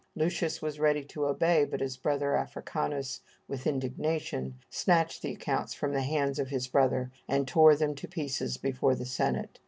Lucius was ready to obey; but his brother Africanus with indignation snatched the accounts from the hands of his brother and tore them to pieces before the Senate.